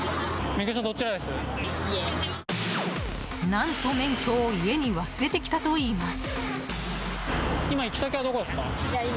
何と、免許を家に忘れてきたといいます。